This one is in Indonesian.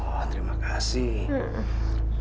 oh terima kasih